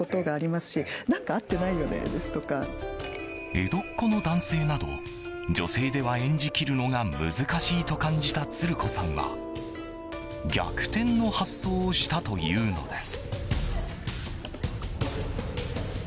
江戸っ子の男性など女性では演じ切るのが難しいと感じたつる子さんは逆転の発想をしたというのです。